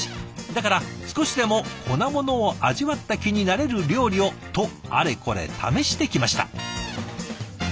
だから「少しでも粉モノを味わった気になれる料理を」とあれこれ試してきました。